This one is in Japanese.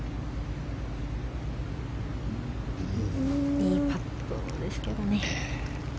いいパットなんですけど。